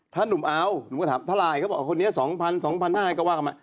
ถ้าหนุ่มเอาหนุ่มก็ถามถ้าไลค์ก็บอกคนนี้๒๐๐๐๒๕๐๐ก็ว่ากันมา